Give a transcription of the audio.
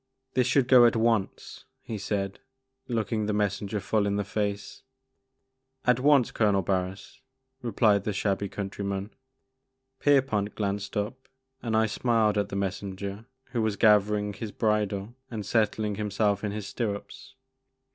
•* This should go at once,*' he said, looking the messenger full in the face. At once, Colonel Barris,'* replied the shabby countryman. Pierpont glanced up and I smiled at the mes senger who was gathering his bridle and settling lO it (< The Maker of Moons. ii himself in his stirrups.